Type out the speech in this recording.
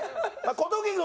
小峠君